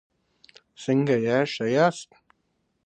The Norse form of the name was "Surkudalr".